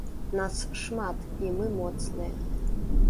Нас шмат, і мы моцныя.